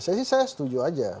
saya setuju aja